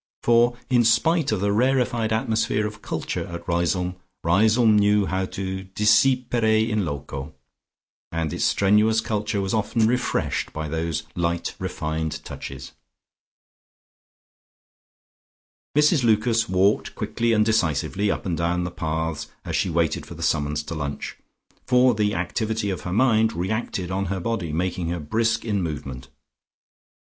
For in spite of the rarefied atmosphere of culture at Riseholme, Riseholme knew how to "desipere in loco," and its strenuous culture was often refreshed by these light refined touches. Mrs Lucas walked quickly and decisively up and down the paths as she waited for the summons to lunch, for the activity of her mind reacted on her body, making her brisk in movement.